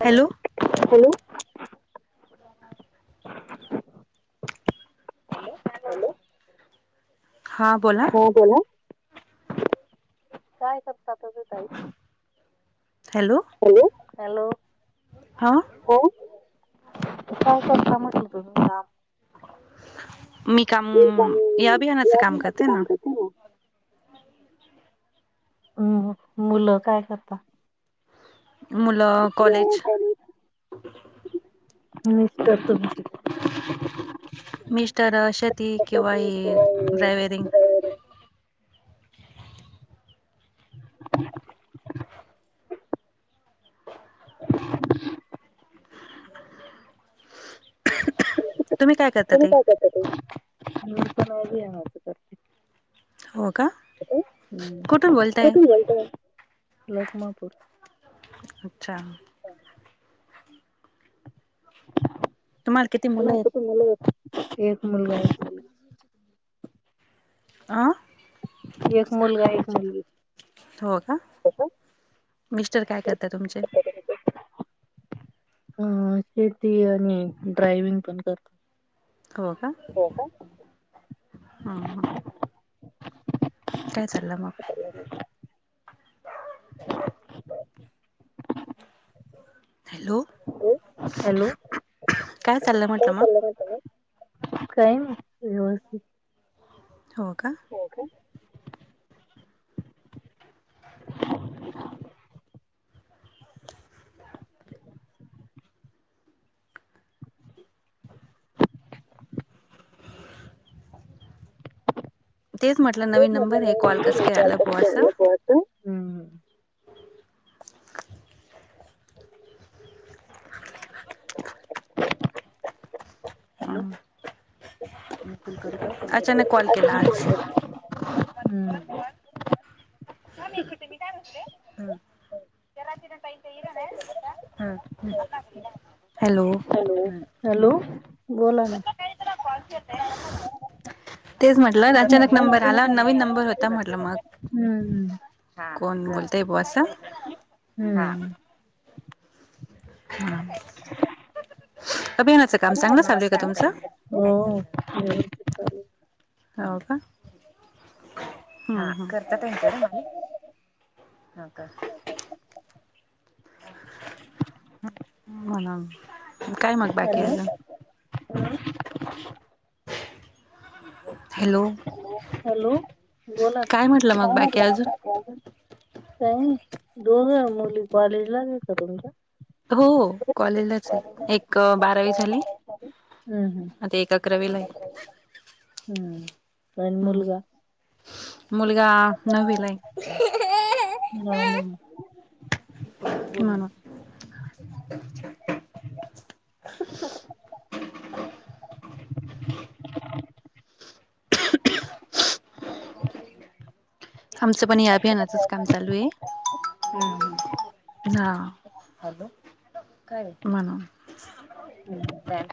Hello. हा बोला. हो बोला, काय करता तुम्ही ताई? Hello, hello. हा हो, काय करता म्हणलं तुम्हीं काम? म काम ए अ [inaudible] मन काम करते ना. हम, हम्म. मुलं काय करतात? मुलं... कॉलेज. ह [inaudible] [inaudible] नि्चिततचित [unintelligible] [inaudible] मिस्टर, शेती किंवा ही ड्राव्हरिंग. [unintelligible] [inaudible] [unintelligible] तुम्ही काय करता तुम् ताई काय करता? [inaudible] तूते हो.... का म्... कुठून बोलताय कठून जायत लखमापूर. अच्छा..... तुम्हाला किती मुलं कठ [inaudible] मु [inaudible] मु [inaudible] ह [unintelligible] [inaudible] आं..... एक मुलगा, एक मुलगी, हो का? मिस्टर काय करता तुमचे? ह... शेती आणि ड्रायविंग, पण करतो. हो.. का? हो... का? हा... ह... काय चाललं मग? [unintelligible] [inaudible] हॅलो हॅलो.... काय चाललं काय म्हटलं [inaudible] मग तुम्हीं. काय व्यवस्थित. हो.. का? ओ... काे? तेच म्हटलं. नवीन नंबर आहे. कॉल कस असं कायला. बोवा अस. [unintelligible] [inaudible] [unintelligible] अचानक कॉल केला नको आज. वाटत. हम्म... बी [unintelligible] मी काय म्हटले जराज [unintelligible] कायरा [unintelligible] हॅलो. हॅल, हॅलो, बोला ना. बाेत [inaudible] [unintelligible] तेच म्हटलं, अचानक नंबर आला नवीन नंबर होता म्हटलं मग. हम्म हा कोण बोलतय बो अस? हा. हम्म. हा, अभियानाच काम चांगलं चालूय का तुमचं? हो काय चा व्यवस्थित चालू हाव का. हम्म, हम्म करता [unintelligible] ते हो का. म्हणा मग काय म्हणता की अजून? हं. हॅलो. हॅलो, बोला, म्हटलं मग काय बाकी म्हटलं अजून? काही नाही दोघं मुली कॉलेज ला आहे का तुमच्या? हो कॉलेजलाच आहे एक बारावी झाली हम्म, आता एक अकरावीला आहे हम्म, हम्म. आणि हम्म, मुलगा मुलगा नविला आहे. गाणे [inaudible] हम्म. हह [inaudible] [unintelligible] आमचं पण या अभियानाचच काम चालू आहे. हा म्हणुन.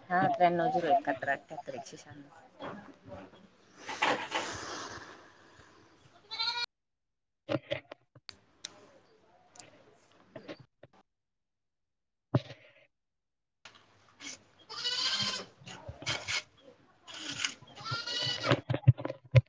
हा त्र्याण्णव झिरो एकाहत्तर अठ्याहत्तर एकशे शहाण्णव. ह [inaudible] त [inaudible] हह [inaudible]